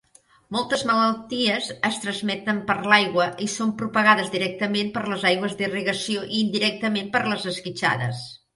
Moltes malalties es transmeten per l'aigua i són propagades directament per les aigües d"irrigació i indirectament per les esquitxades.